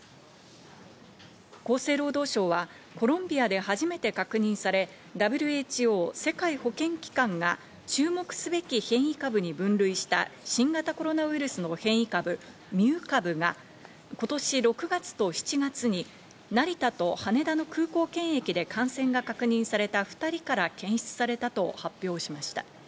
厚生労働省はコロンビアで初めて確認され、ＷＨＯ＝世界保健機関が注目すべき変異株に分類した新型コロナウイルスの変異株ミュー株が今年６月と７月に成田と羽田の空港検疫で感染が確認された２人から検出されたと発表しました。